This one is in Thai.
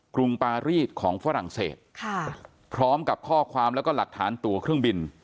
กรุงปารีสของฝรั่งเศสพร้อมกับข้อความแล้วก็หลักฐานตัวเครื่องบิน